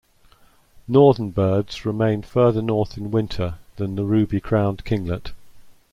Northern birds remain further north in winter than the ruby-crowned kinglet.